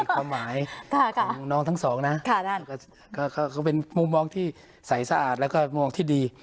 ความหมายของน้องทั้งสองนะก็เป็นมุมมองที่ใสสะอาดแล้วก็มองที่ดี